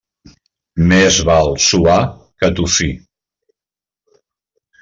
Més val suar que tossir.